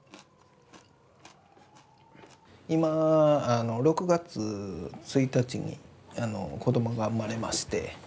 今６月１日に子どもが生まれまして。